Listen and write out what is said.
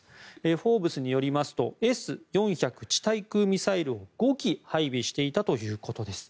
「フォーブス」によりますとＳ４００地対空ミサイルを５基を配備していたということです。